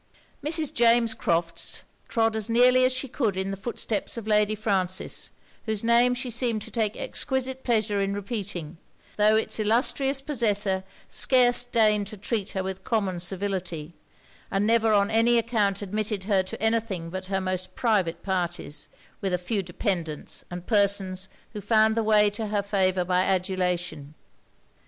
Mrs. James Crofts trod as nearly as she could in the footsteps of Lady Frances; whose name she seemed to take exquisite pleasure in repeating, tho' it's illustrious possessor scarce deigned to treat her with common civility; and never on any account admitted her to any thing but her most private parties, with a few dependants and persons who found the way to her favour by adulation.